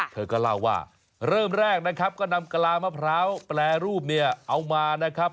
เธอก็เล่าว่าเริ่มแรกนะครับก็นำกะลามะพร้าวแปรรูปเนี่ยเอามานะครับ